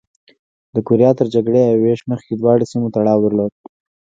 د کوریا تر جګړې او وېش مخکې دواړو سیمو تړاو درلود.